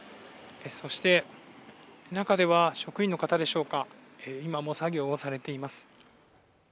そして中では職員の方でしょうか、今も作業をされています。